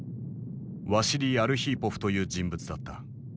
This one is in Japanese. ワシリー・アルヒーポフという人物だった。